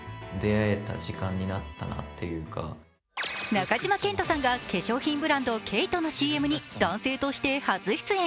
中島健人さんが化粧品ブランド、ＫＡＴＥのＣＭに男性として初出演。